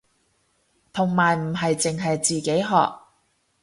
同埋唔係淨係自己學